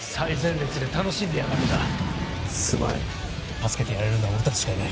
助けてやれるのは俺たちしかいない。